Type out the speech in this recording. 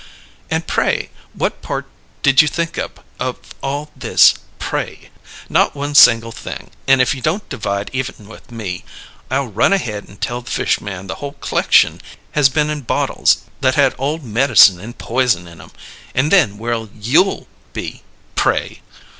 And, pray, what part did you think up of all this, pray? Not one single thing, and if you don't divide even with me, I'll run ahead and tell the fish man the whole c'lection has been in bottles that had old medicine and poison in 'em and then where'll you be, pray?"